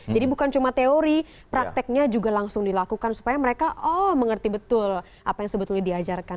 jadi bukan cuma teori prakteknya juga langsung dilakukan supaya mereka oh mengerti betul apa yang sebetulnya diajarkan